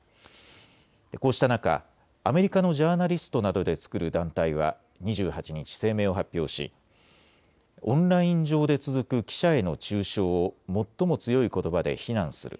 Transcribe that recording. こうした中、アメリカのジャーナリストなどで作る団体は２８日、声明を発表しオンライン上で続く記者への中傷を最も強いことばで非難する。